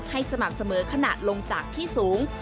ให้สมัครเสมอขนาดลงจากที่สูง